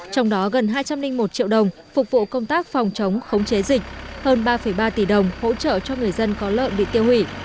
trong đó gần hai trăm linh một triệu đồng phục vụ công tác phòng chống khống chế dịch hơn ba ba tỷ đồng hỗ trợ cho người dân có lợn bị tiêu hủy